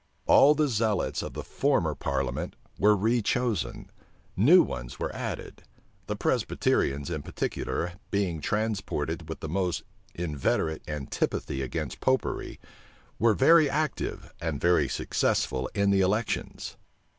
All the zealots of the former parliament were rechosen: new ones were added: the Presbyterians, in particular, being transported with the most inveterate antipathy against Popery, were very active and very successful in the elections.